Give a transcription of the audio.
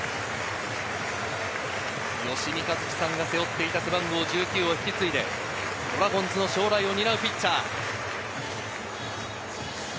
吉見一起さんが背負っていた背番号１９を引き継いで、ドラゴンズの将来を担うピッチャー。